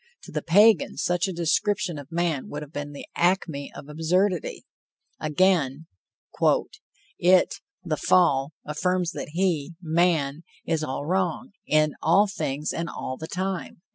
To the Pagan, such a description of man would have been the acme of absurdity. Again: "It (the fall) affirms that he (man) is all wrong, in all things and all the time."